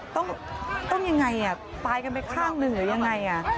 ต้องต้องยังไงอ่ะตายกันไปข้างหนึ่งหรือยังไงอ่ะ